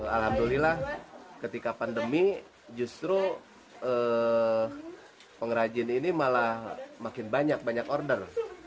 alhamdulillah ketika pandemi justru pengrajin ini malah makin banyak banyak order